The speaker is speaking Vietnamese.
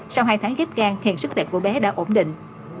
sau hai tháng ghép gan hiện sức khỏe của bé đã ổn định